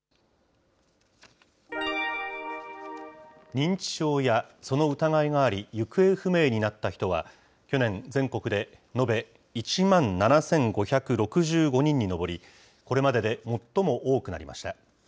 認知症や、その疑いがあり、行方不明になった人は、去年、全国で延べ１万７５６５人に上り、これまでで最も多くなりました。